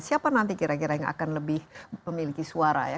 siapa nanti kira kira yang akan lebih memiliki suara ya